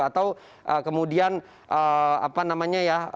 atau kemudian apa namanya ya